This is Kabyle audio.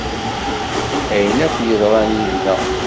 Ayen akk yeḍran yid-neɣ.